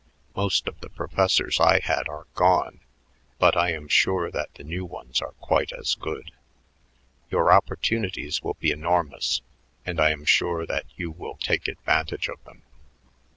Most of the professors I had are gone, but I am sure that the new ones are quite as good. Your opportunities will be enormous, and I am sure that you will take advantage of them.